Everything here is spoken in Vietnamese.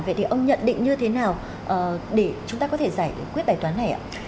vậy thì ông nhận định như thế nào để chúng ta có thể giải quyết bài toán này ạ